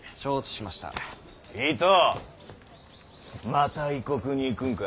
また異国に行くんか。